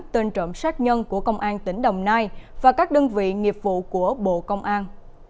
tên trộm sát nhân của công an tỉnh đồng nai và các đơn vị nghiệp vụ của bộ công an